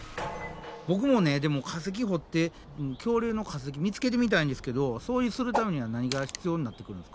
ボクもねでも化石掘って恐竜の化石見つけてみたいんですけどそうするためには何が必要になってくるんですか？